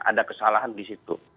ada kesalahan di situ